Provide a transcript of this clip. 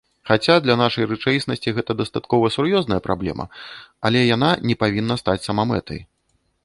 Хаця, для нашай рэчаіснасці гэта дастаткова сур'ёзная праблема, але яна не павінна стаць самамэтай.